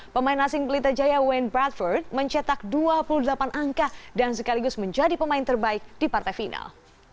pemain asing pelita jaya wane bradford mencetak dua puluh delapan angka dan sekaligus menjadi pemain terbaik di partai final